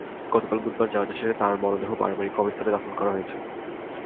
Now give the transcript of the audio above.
গতকাল বুধবার জানাজা শেষে তাঁর মরদেহ পারিবারিক কবরস্থানে দাফন করা হয়েছে।